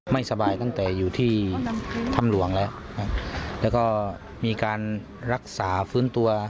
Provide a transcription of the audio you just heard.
ไม่สบายตั้งแต่อยู่ที่ถ้ำหลวงแล้วแล้วก็มีการรักษาฟื้นตัว